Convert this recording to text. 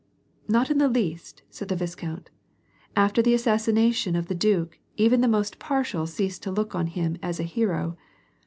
" Not in the least," said the viscount, " After the assassina tion of the duke, even the most partial ceased to look on him as a hero.